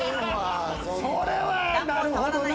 それはなるほどな。